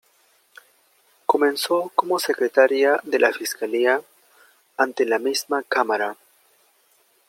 Comenzó como secretaria de la fiscalía ante la misma Cámara.